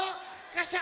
カシャ！